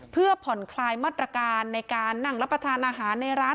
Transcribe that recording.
เพื่อผ่อนคลายมาตรการในการนั่งรับประทานอาหารในร้าน